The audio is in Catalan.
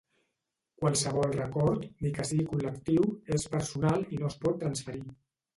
Qualsevol record, ni que sigui col·lectiu, és personal i no es pot transferir.